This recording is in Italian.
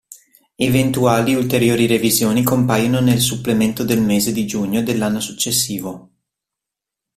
Eventuali ulteriori revisioni compaiono nel Supplemento del mese di giugno dell'anno successivo.